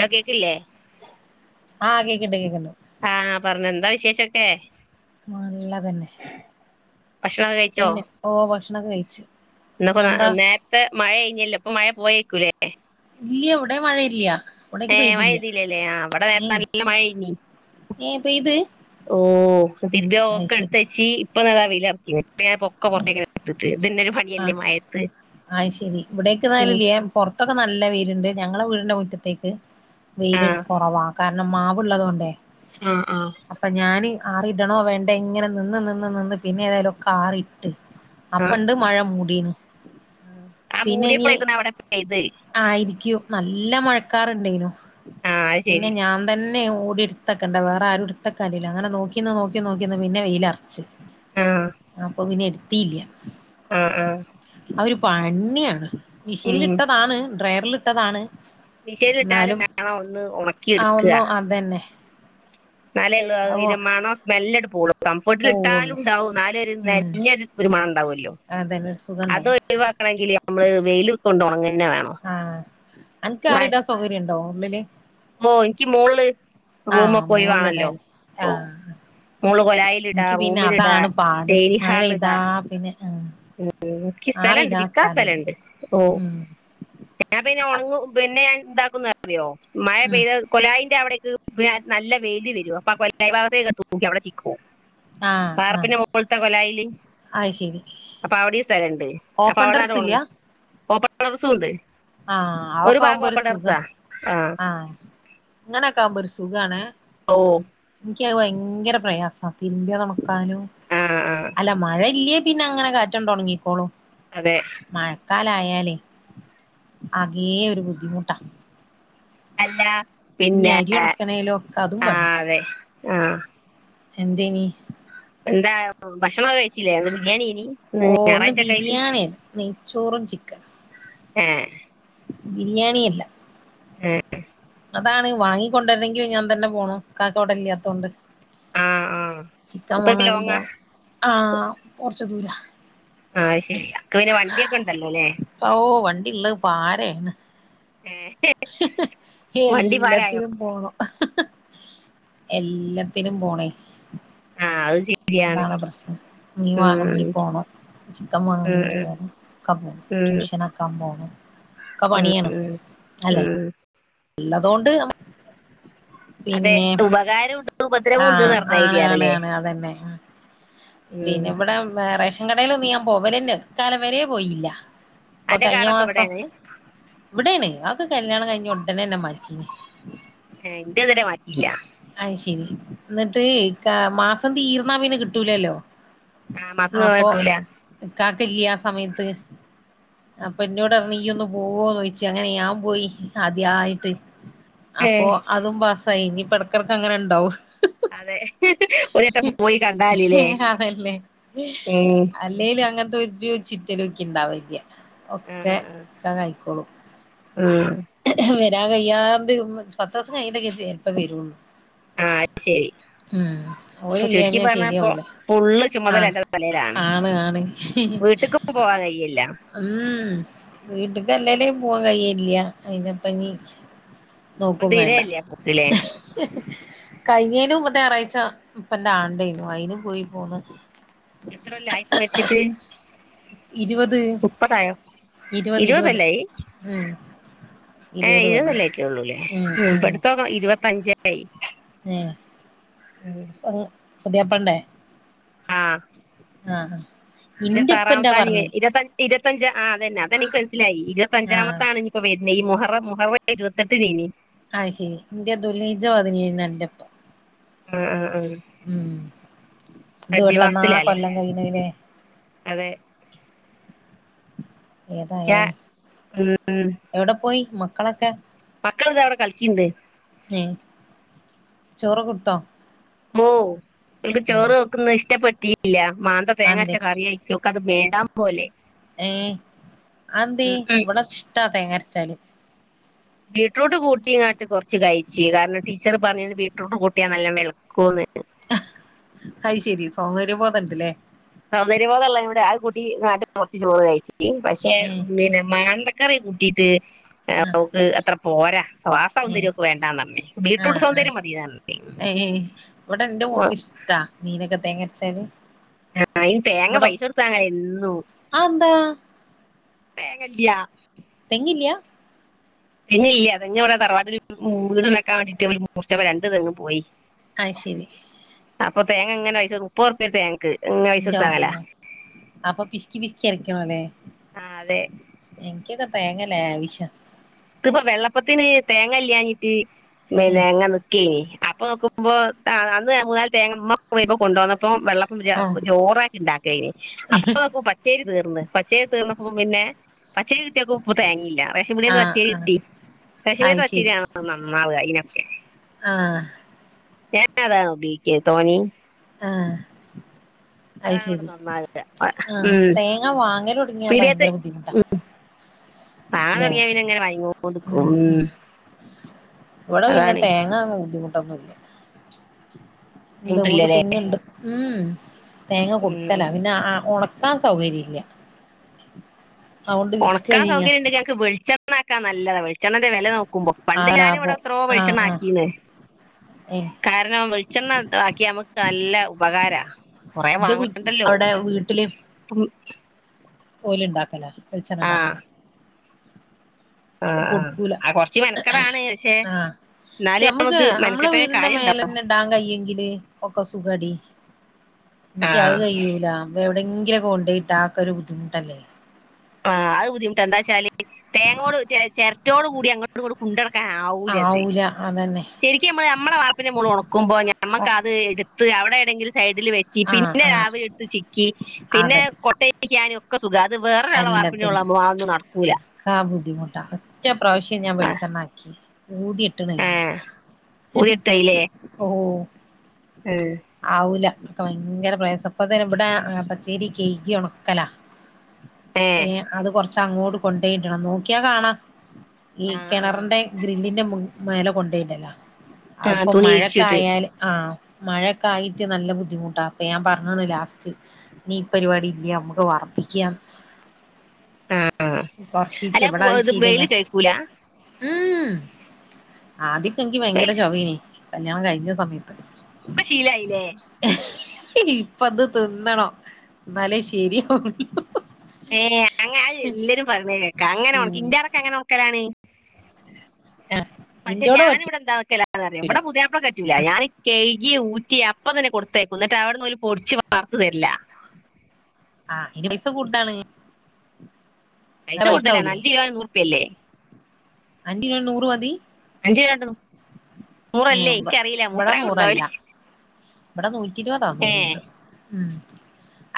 ആഹ കേക്കില്ലേ ആഹ കേക്ക്ണ്ട് കേക്ക്ണ്ട് ആഹ പറഞ്ഞൊ എന്താ വിശേഷൊക്കെ നല്ലതന്നെ ഭക്ഷണൊക്കെ പിന്നെ ഓഹ ഭക്ഷണെക്കെ കയ്ച്ച് ഇന്നപ്പം നേരത്തെ മഴയ്‌നെല്ലൊ ഇപ്പം മഴ പോയേക്കൂല്ലേ ഇല്യ ഇവടെ മഴ ഇല്യ ഏഹ മഴ പെയ്തീല്ലല്ലേ ആഹ ഇവടെ നേരത്തെ നല്ല മഴെയ്‌തിനി ഏ പെയ്ത് ഓ ഹ തിരുമ്പിയെ അത് തൊക്കെ ശരി ഇട്ത്തച്ചി ഇപ്പൊതാ വെയ്ലർക്ക്യ്ണ് ഇപ്പം ഞാൻ പ്പൊക്കെ പുറത്തേക്കെടുതിട്ട് ഇതെന്നൊരു പണിയല്ലേ മയത്ത് അയ് ശരി ഇവിടേക്ക് മഴഇല്ല പൊറത്തൊക്കെ നല്ല വെയ്ല്ണ്ട് ഞങ്ങളെ വീടിന്റെ മുറ്റത്തേക്ക് ആ വെയില് കൊറവാ കാരണം മാവ്ള്ളതോണ്ടേ ഉം ഉം അപ്പം ഞാന് ആറിടണോ വേണ്ടേ ഇങ്ങനെ നിന്ന് നിന്ന് നിന്ന് പിന്നെ ഏതായാലും ഒക്കെ ആറിട്ട് ആ അപ്പണ്ട് മഴ മൂടീണ് ആ മൂടേപ്പളേക്കുംന്നാ അവടെ പെയ്ത് ആയിരിക്ക്യും നല്ല മഴക്കാറുണ്ടേനു ആ അത് പിന്നെ ശരി ഞാൻ തന്നെ ഓടി ഇടത്തക്കണ്ടെ വേറെ ആരും ഇട്ത്തെക്കാല്ലല്ലോ അങ്ങനെ നോക്കിന്ന് നോക്കി നോക്കിന്ന് പിന്നെ വെയിലറച്ച് ആ അപ്പം പിന്നെ എട്ത്തീല്ല അഹ് ആഹ് അതൊരു പണിയാണ് ഉം മിഷീല്ല്ട്ടതാണ് ഡ്രയറല്ട്ടതാണ് മിഷീനിലിട്ടാലും ന്നാലും വേണം ഒന്ന് ഉണക്കി ആ ഒന്നോ അതന്നെ ന്നാലേ അ അയിൻ്റെ മണം സ്മെല്ലാണ്ട് പോവൊള്ളൂ കംഫോർട്ടിൽ ഇട്ടാലും പോവുള്ളു ഉണ്ടാവും ന്നാലും ഒരു ഉം നെഞ്ഞര് ഒരു മണണ്ടാവല്ലോ അതന്നെ ഒര് സുഖണ്ടാവും വാക്കണെങ്കിൽ നമ്മള് വെയില് കൊണ്ട് ഒന്നുണങ്ങന്നെ വേണം ആഹ് അൻക്ക് ന- ആറിടാൻ സൗകര്യണ്ടോ ഉള്ളില് ഓ ഇൻക്ക് മോള് ആഹ് റൂമൊക്കെ ഒയിവാണല്ലോ മോളിലിടാല്ലേ ഓ ആഹ് മോള് കൊലായിലിടാ എനിക്ക് പിന്നെ റൂമിലിടാ അതാണ് പാട് ഡൈനിംഗ് മഴ ഹാളിലിടാ ഇതാ പിന്നെ ഉം ഇൻക്ക് സ്ഥലണ്ട് ആറിടാൻ ചിക്കാ സ്ഥലല്ല സ്ഥലണ്ട് ഓ ഉം ഞാൻ പിന്നെ ഒണങ്ങും പിന്നെ ഞാൻ എന്താക്കുന്നറിയോ മഴ ഉം പെയ്ത കൊലായിന്റെ അവിടേക്ക് നല്ല വെയില് വരും അപ്പം കൊലായ് ഭാഗത്തേക്കാണ്ട് തൂക്കി അവിടെ ചിക്കും വാർപ്പിൻ്റെ മോള്ത്തെ കൊലായില് അയ് ശരി അപ്പം അവടിം സ്ഥലണ്ട് അപ്പം ഓപ്പൺ അവടന്നാണ്ട് ടെറസ് ഇല്ല ഒണങ്ങും ഓപ്പൺ ടാറസൂണ്ട് ആഹ് അതെക്കെ ആവുമ്പോ ഒരു സുഖാ ആ ആഹ് ഇങ്ങനൊക്കാകുമ്പ ഒരു സുഖാണെ ഓ ഇൻക്ക്യത് ഭയങ്കര പ്രയാസാ തിരുമ് മ്പ്യതൊണക്കാനും ആ ആ അല്ല മഴ ഇല്ലേ പിന്നെ അങ്ങനെ കാറ്റാണ്ട് ഒണങ്ങിക്കോളും അതെ മഴക്കാലായാലേ അകെ ഒരു ബുദ്ധിമുട്ടാ അല്ല ഇനി പിന്നെ അരി ആഹ് ഒണക്കണേലും ഒക്കെ അതും അതെ ആഹ് എന്തെയ്നീ എന്താ ഭക്ഷണോ കഴിച്ചില്ലേ ഇന്ന് ബിരിയാണി എനി ഓ ഇന്ന് ബിരിയാണിയ നെയ്ച്ചോറും പി എഹ് ബിരിയാണി അല്ല എ ഹ് എഹ് അതാണ് വാങ്ങിക്കൊണ്ടുവരണെങ്കിൽ ഞാൻ തന്നെ പോകണം കാക്ക വടെ ഇല്ലാത്തത്ൊണ്ട് ആ ആ ചിക്കൻ ഇപ്പൊ ഇപ്പൊ വാങ്ങാനും ലോങ്ങാ പോണം ആഹ് കൊറച്ചു ദൂരാ ആഹ് അയ് ശരി അനക്ക്പിന്നെ വണ്ടിയൊക്കെ ഉണ്ടല്ലോ അല്ലേ ഓ വണ്ടിള്ളത് പാരയാണ് എ ഹി എല്ലാത്തിനും പോണം എല്ലാത്തിനും പോണേ ആ അതും സു... - താണ് പ്രശ്നം മീൻ വാങ്ങണെങ്കി പോണം ചിക്കൻ ഉം, വാങ്ങണെങ്കി ഉം, പോണം ക്ക പോണം ഉം, ട്യൂഷന്. അക്കാ പോണം ക്ക ഉം, പണിയാണ് അല്ലല്ലേ ഉം. ഉള്ളതൊണ്ട് അതെ പിന്നെ ഉപകാരമുണ്ട് ഉപദ്രവം ഉണ്ട് എന്ന് ആഹ് പറഞ്ഞ ആണ് ഐഡിയ ആണ് ആണല്ലേ ആണ് അതന്നെ ഉം. പിന്നെ ഇവിടെ റേഷൻ കടൽ ഒന്നും ഞാൻ പോവലന്നെ ഈ കാല വര പോയില്ല ഇപ്പൊ അന്റെ കഴിഞ്ഞ കാടൊക്കെ മാസം ഇവിടെയാണ് ഇവിടൊണ് ആഹെക്കെ കല്യാണം കഴിഞ്ഞ ഉടനെന്നെ മാറ്റിന് ഹെ എന്റെതെരെ മാറ്റിയില്ല അഹ് ശരി എന്നിട്ട് ക മാസം തീർന്നാ പിന്നെ കിട്ടൂലല്ലോ ആഹ് മാസം [unintelligible] കിട്ടൂല ഇക്കാക്കാ ഇല്ല ആസമയത്ത് അപ്പൊ എന്നോട് പറഞ്ഞു ഈ ഒന്ന് പോവോ ചോയിച്ചു അങ്ങനെ ഞാൻ പോയി ആദ്യയിട്ട് ഏ അപ്പൊ അതും പാസായി ഇനിയിപ്പടക്കിടക്ക അങ്ങനെ ഇണ്ടാവും അതെ ഹി ഹി ഒരു വട്ടം പോയി കണ്ടാല്ല്ലേ ഉ അല്ലേൽ അങ്ങനത്തെ ഒരു ചിറ്റലും ഇക്ക് ഇണ്ടാവാലില്ല ഒക്കെ ഇക്കകായിക്കോളും ഹ് വരാൻ കയ്യാണ്ട് പത്ത് ദിവസം കഴിഞ്ഞൊക്കെ ചിലപ്പോ വരുള്ളു ആഹ് അഹ്ശരി ഇപ്പൊ ചുരുക്കി ഓലില്ലാഞ്ഞാ പറഞ്ഞപ്പൊ ശരിയാവൂല ഫുള്ള് ചുമതല ആഹ് ഏന്റെ തലയിലാണ് ആണ് ആണ് വീട്ടക്ക് പോവാൻ കയില്ല ഉം വീട്ടക്ക്ല്ലല്ലെ പോവാൻ കഴയില്ല അഴിന്നിപ്പന്നി ഇപ്പം നോക്കും വേണ്ട തീരെയില്ല പോക്കില്ലേ കൈയേനു മുമ്പത്തെ ഞാറാഴ്ച ഇപ്പന്റെ ആണ്ടേനു അയിന് പോയി പോന്ന് എത്ര കൊല്ലം ആയി ഉപ്പ മരിച്ചിട്ട് ഇരുപത് മുപ്പത്തയോ ഇരുപത് ഇരുവോ ഇരുപത് കൊല്ലായി ഉം ഏ ഇരുപത് കൊല്ലം ഇരുപതല്ലായിക്കെ ഉള്ളൂല്ലേ ഉം ഉം ഇപ്പടുത്തക്കെ ഇരുപത്തഞ്ചായി ഉം [unintelligible] പുതിയാപ്ലന്റെ ആഹ് ആഹ് ഇരുത്തി ഇന്റെപ്പന്റാ ആറാമത്താണ് പറഞ്ഞേ ഇ ഇരുത്തഞ്ചച് ആ അതന്ന അതെനിക്ക് മനസ്സിലായി ആഹ് ഇരുപത്തഞ്ചാമത്താണ്നി ഇപ്പ വരുന്ന ഈ മുഹറം മുഹറംന്ന ഇരുപത്തെട്ട് കഴിഞ്ഞ് ആഹ്ശരി ഇന്റെ ദുലൈജ പതിനെയിന്ന എന്റെപ്പ ആഹ് ആഹ് ആഹ് ഉം ഇത് അജ്ജി പെട്ടെന്നാ മാസത്തിലല്ലേ കൊല്ലം കഴിയണല്ലേ അതെ. ഞാ ഏതായാലും. ഉം എവിടെ പോയി മക്കളൊക്കെ? മക്കൾ ഇത അവിടെ കളിക്ണ്ട് ഏ ചോറ്ക്കെ കൊടുത്തോ? ഓഹ് ഓല്ക്ക് ഏഹ് ചോറ് വെക്കുന്നത് ഇഷ്ടപ്പെട്ടില്ല മാന്ത തേങ്ങാച്ച അതെന്തേ കറിയായി ക്ക അത് വേണ്ടാൻ പോലെ. ഏ ആഹെന്തീ ഉം ഉം ഇവിടെ ഇഷ്ടാ തേങ്ങ അരച്ചാല് ബീട്രൂട്ട് കുടിങ്ങാട്ട് കുറച്ച് കഴിച്ച് കാരണം ടീച്ചറ് പറഞ്ഞത് ബീട്രൂട്ട് കൂട്ടിയാ നല്ല വെൾ ക്കുന്ന് അഹ്ശരി സൗര്യ ബോധണ്ട്ല്ലേ. സൗന്ദര്യബോധല്ലടുടെ അഹ് കുട്ടി നാട്ടിൽ കുറച്ച് ചോറ് കഴിച്ചിട്ട്, പക്ഷേ ഏഹ് പിന്നെ മാന്ത ക്കരി കൂട്ടീട്ട് അപ്പ ആഹ് ഒക്ക് അത്ര പോരാ. സ്വാ അഹ് സൗന്ദര്യം ഏഹ് ഒക്ക് വേണ്ടാർന്ന് ബീട്രൂട്ട് ആഹ് ആഹ് സൗന്ദര്യം മതിന്ന് പറ [unintelligible] താ മീനൊക്കെ തേങ്ങ അരച്ചാല്. ആഹ് അയിന് തേങ്ങ പൈസ കൊടുത്താങ്ങൽ എന്നും, അതെന്താ തേങ്ങല്യ തെങ്ങില്ല്യാ തെങ്ങില്ല തെങ്ങ് അവടെ തറവാട് മൂക്കാൻ വേണ്ടിട്ട്ര് മൂർച്ചപ്പോ രണ്ണ്ട് തെങ്ങ് പോയി അത് ശരി അപ്പ തേങ്ങ എങ്ങനെയച്ച മുപൊർപ്പിയെ തേങ്ങ ഇന്റെഅമ്മോ അപ്പൊ പിസ്കി പിസ്കി എർക്കണല്ലേ. ആ അതെ എനിക്കൊക്കെ തേങ്ങല്ലേ ലാവിശ ഇത്പ്പോ വെള്ളപ്പത്തിന് തേങ്ങ ഇല്ലഞ്ഞിട്ട് പിന്നെ ഏഹ് ഇങ്ങനെ അപ്പൊ നോക്കുമ്പോ അന്ന് മൂന്നാല് തേങ്ങമ്മ കൊണ്ടുവന്ന പ്പം വെള്ളപ്പം ആഹ് ജോറക്കി ഉണ്ടാക്കി കഴി അപ്പ നോക്കു പച്ചേരി തീർന്ന്, പച്ചേരി തീർന്നപ്പം പിന്നെ പച്ചേരി കിട്ടിയക്കെ ഉപ്പോ തേങ്ങിയില്ല റേഷൻ പിടിയന്ന് ആഹ് പച്ചിരി ആഹ് കിട്ടി, റേഷൻ പീടിയേത്തേ അത് പച്ചരി ശെരി ആണലോ നന്നാവാ അയിനൊക്കെ? ആഹ് ഞാനതാണ് ഉപയോഗിക്കാ തോനിം ആഹ് അത് അതാണ് ഇവിടെ ശരി നന്നാവുക ആഹ് ഉം തേങ്ങ വാങ്ങൽ ഒടുങ്ങിയാ ഭയങ്കര പീടികേത്തെ ബുദ്ധിമുട്ടാ. വാങ്ങാൻ ല്ലേ തൊടങ്ങിയ പിന്നെ അങ്ങനെ വാങ്ങിക്കൊണ്ട് ഉം നിക്കും ഉം ഇവിടെ പിന്നെ തേങ്ങ ഒ ബുദ്ധിമുട്ടൊന്നുംഇല്ല ഉണ്ട് ബുദ്ധിമുട്ടില്ലല്ലേ മൂന്നുതേങ്ങുണ്ട് മം തേങ്ങ ഉം കൊടുക്കല ഉം പിന്നെ ഉണകി ക്കാൻ സൗകര്യ ഇല്ല, അുകൊണ്ട് വിക്കഴിയാ വെളിച്ചണ്ണ ആക്കാൻ നല്ലത വെളിച്ചെണ്ണന്റെ വില നോക്കുമ്പോ. ആ പണ്ട് ഞാനിവിടെ ലാഭം എത്രോ വെളിച്ചണ്ണ ആഹ് ആഹ് ആക്കീന്ന് ഏ കാരണം വെളിച്ചെണ്ണ ആക്കിയ നമക്ക് നല്ല ഉപകാരാ കൊറേ എന്റെ കു വാങ്ങണ്ടല്ലോ അവിടെ വീട്ടില് ഓല് ഉണ്ടാക്കല വെളിച്ചെണ്ണ ആ ഉണ്ടാക്കല ആഹ് ആഹ് കൊടുക്കൂല ആ കൊറച്ച് മെനക്കടാണ് പക്ഷെ ആഹ് എന്നാല് നമക്ക് മെനക്കെട്ടന് കാര്യം ഉണ്ടല്ലോ എത്താൻ കയ്യെങ്കില് ഒക്കെ സുഖടി ആ എനിക്ക് അത് കഴൂല എവിടെങ്കിലൊക്കെ കൊണ്ടയിട്ട് ആക്കലും ഒരു ബുദ്ധിമുട്ടല്ലേ ആഹ് അത് ബുദ്ധിമുട്ട എന്താ വെച്ചാല് തേങ്ങോട് ച ചിരട്ടോട് കൂടി അങ്ങോട് കൊണ്ടടക്കാൻ ആവൂലത്? ആവൂല അതന്നെ ശരിക്കുംമ്മൾമ്മടെ വാർപ്പിന്റെ മോള് ഉണക്കുമ്പോൾ നമുക് അത് എടുത്ത് അവടെ എവിടേലും സൈഡിൽ വച്ച്. ആഹ് പിന്നെ ആഹ് രാവിലെ ഇട്ട് ചിക്കി പിന്നെ അതെ കൊട്ടെക്നും ഒക്കെ സുഖം ഇത് വേർ എല്ലാത്തിനും ആ ബുദ്ധിമുട്ടാ ഒറ്റ പ്രാവശ്യം ഞാൻ വെളിച്ചെണ്ണ ആക്കി ഊടി ഇട്ട്ണ് ഏ ഓഹ് ഏഹ് ആവൂല ഇപ്പ ഭയങ്കര പ്രയാസം ഇപ്പ തന്ന ഇബ്ടാ പച്ചേരി കെയ്ഗി ഒണക്കലാ ഏ ഏഹ് അത് കൊറച്ച അങ്ങോട് കൊണ്ടെയിടണം നോക്കിയാ കാണാ ഈ ആ ആ കെണർണ്ടെ ഗ്രില്ലിന്റ മു മേല കൊണ്ടെയിട്ലാ ആ അത്പ്പം തുണി വിരിച്ചിട്ട് മഴക്കായാല് ആഹ് മഴക്കായിട്ട് നല്ല ബുദ്ധിമുട്ടാ അപ്പെ പറഞ്ണ് ലാസ്റ്റ് ഈ പരിപാടി ഇല്ല്യ അമക്ക് വറപ്പിക്യന്ന് ആഹ് അഹ് കൊറച്ചീച്ചെ അല്ല ഇവിടെ പൊ അത് ശീലല്ല വെല് ചയ്ക്കൂല ഉം ആദ്യൊക്കെ എനിക്ക് ഭയങ്കര ഇപ്പൊ ചൊവേയ്നി കല്യാണം കഴിഞ്ഞ സമയത്ത് ശീലായില്ലേ ഇപ്പ അത് തിന്നണം ഇന്നാലേ ശരിയാവൊള്ളു ഏഹ് അങ്ങനെ അയ് എല്ലരും പറിണെത് കേക്കാം അങ്ങനെ ഉം ഒൺക്കി ഇന്റാടെക്കെ അങ്ങനെ ഒണക്കലാണ് ആഹ് പക്ഷെ ഇന്റോടെ ഞാന് പറ്റും വ്ടെ എന്താ വെക്കലാന്നറിയോ ഇബടെ പുതിയാ പ്ലക്ക്‌ പറ്റൂല്ല ഞാന് കെയ്കി ഊറ്റി അപ്പ തന്നെ കൊട്ത്തേയ്ക്കും ന്നട്ട് അവട്ന്നോല് പൊടിച്ച് വർത്ത് തെര്ല്ലാ ആഹ് അയ്‌ന് പൈസ കൂട്താണ് പൈസ കൂട്തലാണ് അഞ്ച് കിലോന് നൂർപ്യ അല്ലേ അഞ്ചിലോന് നൂറ് മതി അഞ്ച് രൂപ കൊണ്ട് ഏഹ് നൂറല്ലേ ഇബ എനിക്കറിയില്ല ഇബടെ മൂപ്പരാ കൊണ്ടുപോയി ന്നൂറല്ല ബടെ നൂറ്റി ഇര്പതാന്ന് ഏ തോന്ന്ണ് ണ്ട് ഉം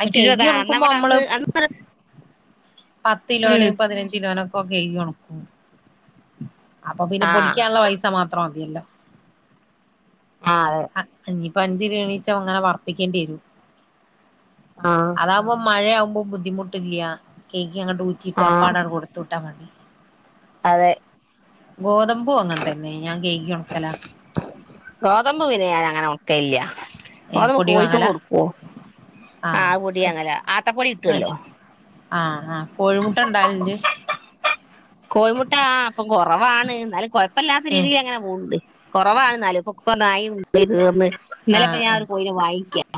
അയ് നൂറ്റി കെയ്കി ഇരുപതാ അന്ന് ഒണക്കുമ്പൊ അവിടെ അമ്മ്ള് അന്ന് അന്ന് പത്ത് കിലോന് ഉം. പതിനഞ്ച് കിലോനൊക്കൊ കെയ്കി ഒണക്കും അപ്പ പിന്നെ ആ പൊടിക്ക്യാൻള്ള പൈസ മാത്രം മതിയല്ലോ ആഹ് അതെ അഹ് ഇഞ്ഞിപ്പ അഞ്ച് കിലോനീച്ചെ അങ്ങനെ വർപ്പിക്കേണ്ടി വെരും ആഹ് അതാവുമ്പൊ മഴയാവ്മ്പൊ ബുദ്ധിമുട്ടില്ല്യ കെയ്കി അങ്ങട് ഊറ്റിട്ട് ആ അപ്പാടെ ആണ്ട് കൊട്ത്ത് വിട്ടാ മതി അതെ ഗോതമ്പും അങ്ങൻതന്നെ ഞാൻ കെയ്കി ഒണക്കലാ ഗോതമ്പ് പിന്നെ ഞാനങ്ങനെ ഒണക്കലില്ല്യാ ഏ ഗോതമ്പ് പൊടി കോഴിക്കക്ക് വാങ്ങലാ കൊട്ക്കു ആഹ് അഹ് പൊടി വാങ്ങലാ ആട്ടപ്പൊടി കിട്ടൊല്ലോ ആഹ് ആഹ് കോഴിമുട്ട ഇണ്ടാവൽണ്ട് കോഴിമുട്ടാ ആഹ് പ്പം കൊറവാണ് ന്നാലും കൊഴപ്പല്ലാത്ത ഏഹ് രീതിലങ്ങനെ പോവ്ണ്ട് കൊറവാണ് ന്നാലുപ്പൊ ഒക്കെ നായിം [unintelligible] കൊണ്ടോയി തീർന്ന് ഇന്നലപ്പ പ്പ ആഹ് ഞാ ഒരു ആഹ് കൊഴീനെ വാങ്ങിക്ക്യാ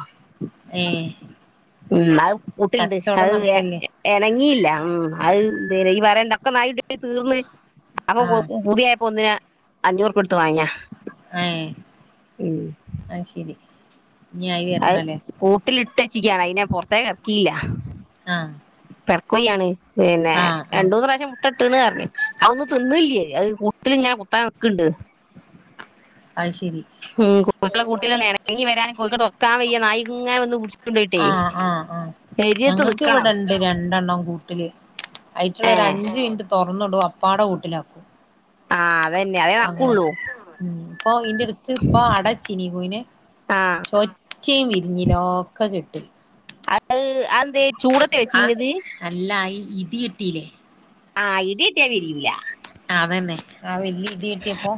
ഏഹ് ഉം ന്ന് അഹ് കൂട്ട്ല്ണ്ട് കച്ചോടം അഹ് വെ നടക്കല്ലേ എ എണങ്ങിയില്ല ഉം അഹ് ദേനെ ഈ വരണ്ട ഒക്കെ നായിടി ച്ച് തീർന്ന് അപ്പൊ കൊ ആഹ് പുതിയായപ്പോ ഒന്നിനെ അഞ്ഞൂറുപ്പ്യൊട്ത്ത് വാങ്യാ അഹ് ഏഹ് അയ്ശരി ഇഞ് ആയി വെര്നം ല്ലേ കൂട്ടിലിട്ടെച്ച്ക്ക്യാണ് അയ്നെ പൊർത്തക്ക് എർക്ക്യീല്ല ആഹ് പെട ക്കോഴി ആണ് പിന്നെ ആഹ് ആഹ് രണ്ടൂന്ന് പ്രാവശ്യം മുട്ട ഇട്ട്ക്ക്ണ് അർഞ്ഞ് അഹ് ഒന്നും തിന്നുല്ല്യേ അയ് കുട്ടിലിങ്ങനെ കുത്തനെ ന്ന്ക്ക്‌ണ്ട് അയ് ശരി ഉം കോഴിക്കളെ കൂട്ടിലെന്ന് എണങ്ങി വെരാന് കൊഴ്ക്കളെ തൊർക്കാം വെയ്യേ നായിങ്ങനെ വെന്ന് പുട്ച് ആഹ് അഹ് ആഹ് ഞങ്ങക്ക് നിക്കണം ഇവടെണ്ട് രണ്ടെണ്ണം കൂ ട്ടില് അയ്റ്റളെ ഏ ഒരഞ്ച് മിൻറ്റ് തൊർന്ന്ടും അപ്പാടെ കൂട്ടിലാക്കും ആ അതന്നെ അതേ അങ്ങനെ നടക്കുള്ളൂ ഉം ഇപ്പൊ ഈ ന്റെട്ക്ക് ഇപ്പൊ അടവെച്ചീനി കോഴിനെ ആഹ് ച്ചിം വിരിഞ്ഞ്ല ഒക്ക കെട്ട് അയ് ആയെന്തെ ചൂടത്തെ ആ വെച്ചീനെത് അല്ല ഈ ഇടി വെട്ടീലെ ആഹ് ഇടിയെട്ടിയ വിരിയുല്ലാ ആഹ് അതന്നെ ആ വെല്ല്യെ ഇടി വെട്ടിയപ്പോ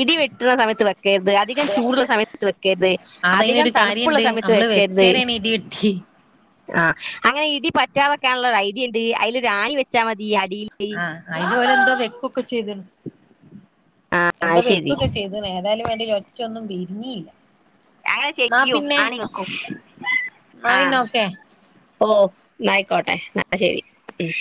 ഇടി വെട്ട്ണ സമയത്ത് വെക്കെര്ത്, അധികം ചൂട്ള്ള സമയത്ത് വെക്കെര്ത്, അധികം അതയിനൊരു തണ്പ്പ്ള്ള കാര്യണ്ട് സമയത്ത് നമ്മള് വെക്കേര്ത്. വെച്ചേരാണ് ഇടി വെട്ടി ആഹ് അങ്ങനെ ഇടി പറ്റാതെക്കാൻള്ള ഒരു ഐഡിയ ഇണ്ട് അയ്ലൊരാണി വെച്ചാ മതി അടീല്. ആ അയിന് ഓല് എന്തോ വെക്കൊക്കെ ചെയ്ത ആ എന്തോ അത് ശരി വെക്കൊക്കെ ചെയ്ത. ഇത് ഏ തായാ ലും വേണ്ടീ ല ഒറ്റൊന്നും വിരിഞ്ഞില്ല. അങ്ങനെ ന്നാ ചെയ്യും പിന്നെ ആണി വെക്കും ന്നാ ആഹ്. പിന്നെ ഓക്കെ ഓ ന്നയിക്കോട്ടെ ആ ശരി ഉം.